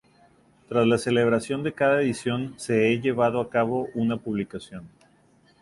Tras la celebración de cada edición, se he llevado a cabo una publicación.